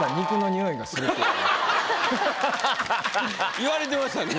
言われてましたね。